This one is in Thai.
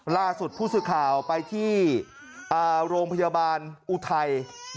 ล่าสุดผู้สื่อข่าวไปที่โรงพยาบาลอุทัย